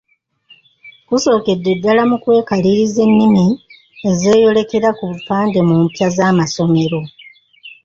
Kusookedde ddala mu kwekaliriza ennimi ezeeyolekera ku bupande mu mpya z'amasomero.